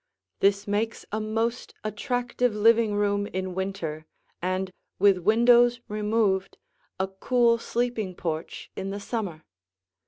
This makes a most attractive living room in winter and, with windows removed, a cool sleeping porch in the summer.